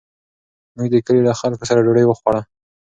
موږ د کلي له خلکو سره ډوډۍ وخوړه.